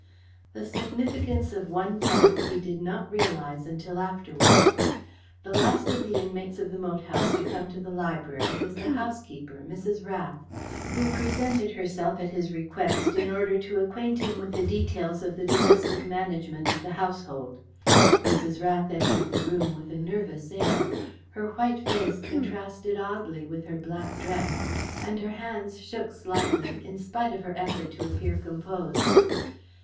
The significance of one fact he did not realize until afterwards. The last of the inmates of the moat house to come to the library was the housekeeper, Mrs. Rath, who presented herself at his request in order to acquaint him with the details of the domestic management of the household. Mrs. Rath entered the room with a nervous air. Her white face contrasted oddly with her black dress, and her hands shook slightly, in spite of her effort to appear composed.